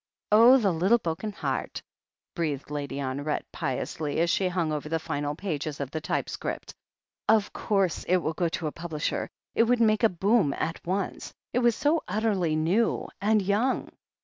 "Oh, the little b'oken heart !" breathed Lady Honoret piously, as she hung over the final pages of the type script. Of course, it was to go to a publisher — it would make a boom at once — it was so utterly new and yoimg.